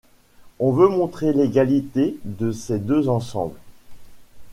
On veut montrer l'égalité de ces deux ensembles.